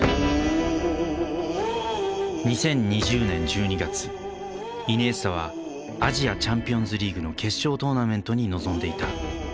２０２０年１２月イニエスタはアジアチャンピオンズリーグの決勝トーナメントに臨んでいた。